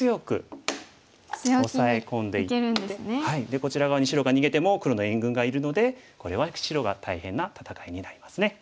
でこちら側に白が逃げても黒の援軍がいるのでこれは白が大変な戦いになりますね。